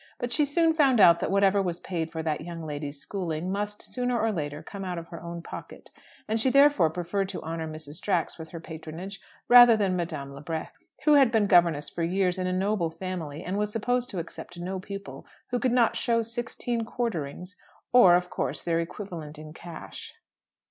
But she soon found out that whatever was paid for that young lady's schooling must, sooner or later, come out of her own pocket, and she therefore preferred to honour Mrs. Drax with her patronage, rather than Madame Liebrecht, who had been governess for years in a noble family, and was supposed to accept no pupil who could not show sixteen quarterings; or, of course, their equivalent in cash.